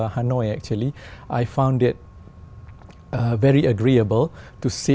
hà nội là một trong những nơi